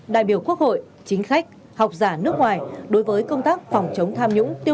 đại biểu quốc hội chính khách học giả nước ngoài